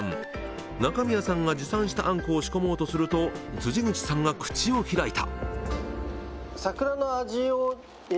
中宮さんが持参した餡子を仕込もうとすると辻口さんが口を開いた。